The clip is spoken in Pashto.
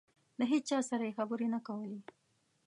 د هېچا سره یې خبرې نه کولې.